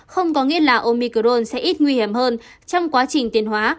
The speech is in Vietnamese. không có nghĩa là omicron sẽ ít nguy hiểm hơn trong quá trình tiền hóa